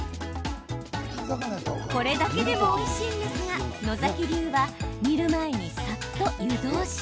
これだけでもおいしいんですが野崎流は煮る前に、さっと湯通し。